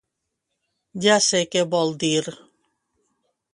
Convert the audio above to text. —Ja sé què vol dir.